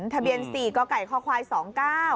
ทะเบียน๔กคค๒เก้า